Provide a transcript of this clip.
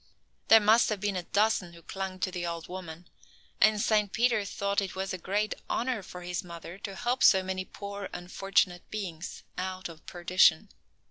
There must have been a dozen who clung to the old woman, and Saint Peter thought it was a great honor for his mother to help so many poor unfortunate beings out of perdition.